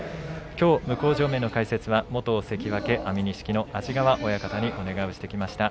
向正面の解説は元関脇安美錦の安治川親方にお願いしてきました。